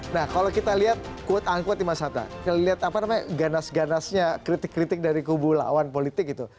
nah kalau kita lihat quote unquote di mas hatta lihat apa namanya ganas ganasnya kritik kritik dari kubu lawan politik itu